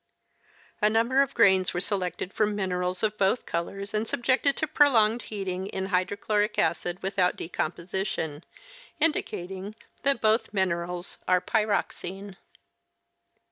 A numl^er of grains were selected from minerals of both colors and subjected to prolonged heating in hydrochloric acid without decomposition, indicat ing that both minerals are pyroxene.